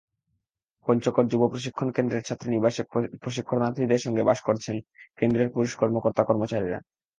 পঞ্চগড় যুব প্রশিক্ষণ কেন্দ্রের ছাত্রীনিবাসে প্রশিক্ষণার্থীদের সঙ্গে বাস করছেন কেন্দ্রের পুরুষ কর্মকর্তা-কর্মচারীরা।